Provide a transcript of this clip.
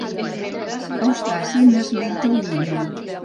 Eustaci n'esmenta un himne.